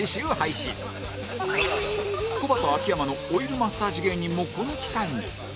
コバと秋山のオイルマッサージ芸人もこの機会に